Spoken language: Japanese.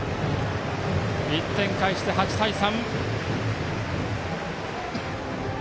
１点返して、８対３。